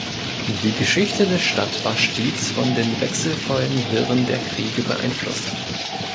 Die Geschichte der Stadt war stets von den wechselvollen Wirren der Kriege beeinflusst.